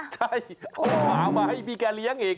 ใช่เอาหมามาให้พี่แกเลี้ยงอีก